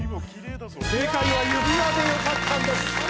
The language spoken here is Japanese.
正解は「指輪」でよかったんです